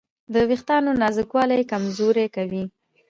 د وېښتیانو نازکوالی یې کمزوري کوي.